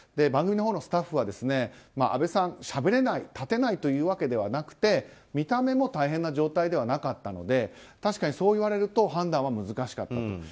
番組のスタッフはあべさん、しゃべれない立てないというわけではなくて見た目も大変な状態でもなかったので確かにそう言われると判断は難しかったと。